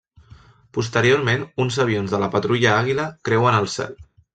Posteriorment uns avions de la Patrulla Àguila creuen el cel.